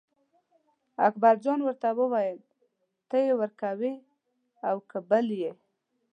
اکبرجان ورته وویل ته یې ورکوې او که بل یې.